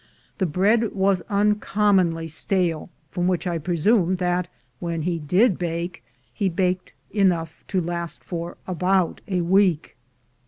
The bread was uncommonly stale, from which I presumed that, when he did bake, he baked enough to last for about a week.